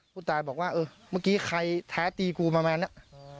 ผู้ตายบอกว่าเออเมื่อกี้ใครแท้ตีกูประมาณนั้น